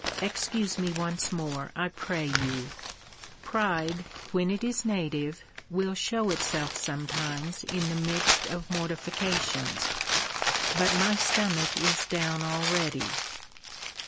Excuse me once more, I pray you. Pride, when it is native, will shew itself sometimes in the midst of mortifications but my stomach is down already.